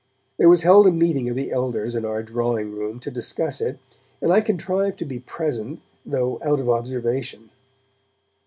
There was held a meeting of the elders in our drawing room to discuss it, and I contrived to be present, though out of observation.